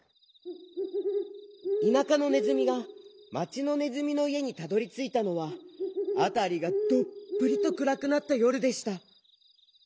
田舎のねずみが町のねずみのいえにたどりついたのはあたりがどっぷりとくらくなったよるでした。